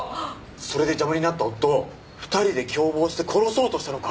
それで邪魔になった夫を２人で共謀して殺そうとしたのか。